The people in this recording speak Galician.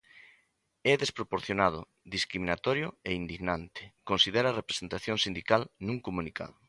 É desproporcionado, discriminatorio e indignante, considera a representación sindical nun comunicado.